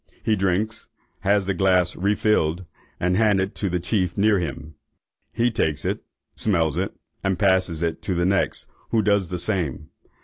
He drinks, has the glass refilled, and handed to the chief near him; he takes it, smells it, and passes it to the next, who does the same.